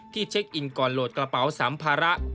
เช็คอินก่อนโหลดกระเป๋าสัมภาระ